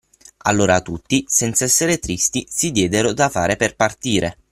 Allora tutti, senza essere tristi, si diedero da fare per partire.